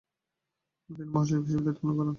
তিনি মহাসচিব হিসেবে দায়িত্বপালন করেছেন।